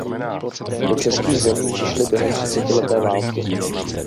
Do českých zemí přišli během třicetileté války.